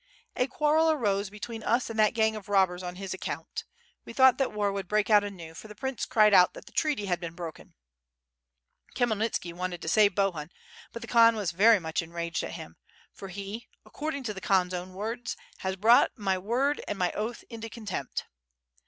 A quarrel arose between us and that gang of robbers on his account. We thought that war would break out anew, for the prince cried out that the treaty had been broken. Khymelnitski wanted to save Bohun, but the Khan w«s very much enraged at him, for he, according to the K'han's own words, ^has brought my word and my oath into contempt.'